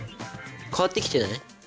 変わってきてない？